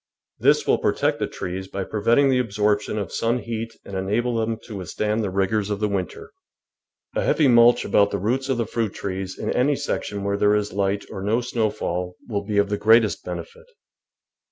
This will protect the trees by preventing the absorption of sun heat and enable them to withstand the rigours of the winter. FALL WORK IN THE GARDEN A heavy mulch about the roots of the fruit trees in any section where there is a hght or no snow fall will be of the greatest benefit.